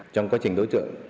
trong quá trình đối tượng